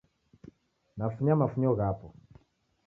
Nafunya mafunyo ghapo